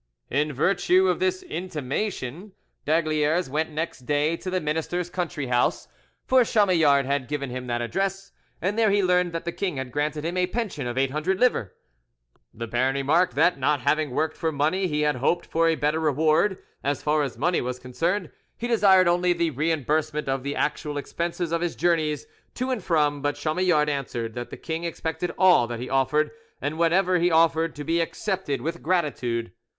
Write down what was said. In virtue of this intimation d'Aygaliers went next day to the minister's country house; for Chamillard had given him that address, and there he learned that the king had granted him a pension of 800 livres. The baron remarked that, not having worked for money, he had hoped for a better reward; as far as money was concerned, he desired only the reimbursement of the actual expenses of his journeys to and from, but Chamillard answered that the king expected all that he offered and whatever he offered to be accepted with gratitude.